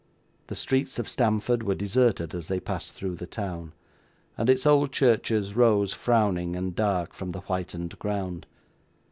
The streets of Stamford were deserted as they passed through the town; and its old churches rose, frowning and dark, from the whitened ground.